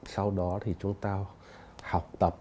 sau đó thì chúng ta học tập